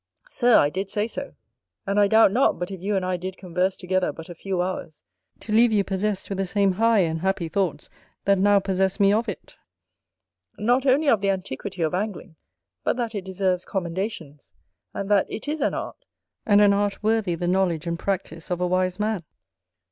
Sir, I did say so: and I doubt not but if you and I did converse together but a few hours, to leave you possessed with the same high and happy thoughts that now possess me of it; not only of the antiquity of Angling, but that it deserves commendations; and that it is an art, and an art worthy the knowledge and practice of a wise man.